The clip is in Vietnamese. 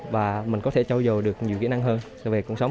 và mình có thể trau dồi được nhiều kỹ năng hơn về cuộc sống